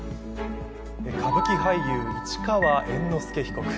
歌舞伎俳優、市川猿之助被告。